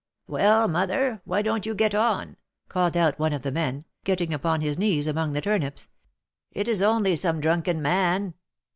Well, Mother! Why don't you get on?" called out one of the men, getting upon his knees among the turnips. It is only some drunken man."